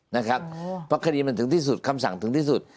นะครับเพราะคดีมันถึงที่สุดคำสั่งถึงที่สุด